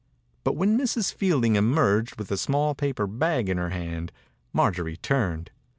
But when Mrs. Fielding emerged with a small paper bag in her hand Marjorie turned.